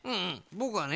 ぼくはね